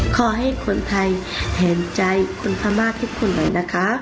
ขอให้คนไทยเห็นใจคนพม่าทุกคนหน่อยนะคะ